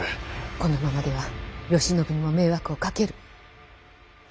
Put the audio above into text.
このままでは慶喜にも迷惑をかける。